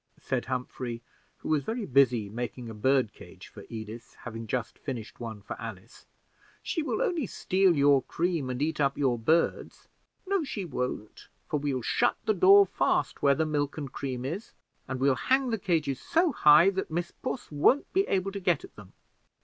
said Humphrey, who was very busy making a bird cage for Edith, having just finished one for Alice; "she will only steal your cream and eat up your birds." "No, she won't; for we'll shut the door fast where the milk and cream are, and we'll hang the cages so high that Miss Puss won't be able to get at them."